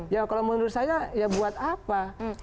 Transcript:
ya kalau menurut saya ya buat apa